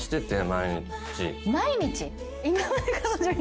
毎日？